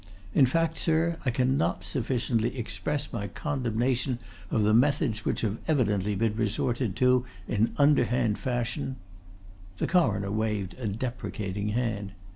In fact, sir, I cannot sufficiently express my condemnation of the methods which have evidently been resorted to, in underhand fashion " The Coroner waved a deprecating hand.